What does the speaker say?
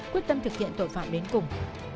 quyết tâm thực hiện tội phạm đến cùng